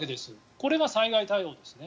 これが災害対応ですね。